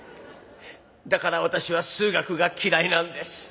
だから私は数学が嫌いなんです。